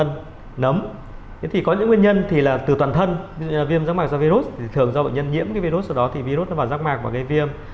nấm thì có những nguyên nhân thì là từ toàn thân ví dụ như là viêm rác mạc do virus thì thường do nhân nhiễm virus rồi đó thì virus nó vào rác mạc và gây viêm